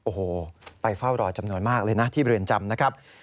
โอ้โหไปเฝ้ารอจำนวนมากเลยนะที่เรือนจำนะครับ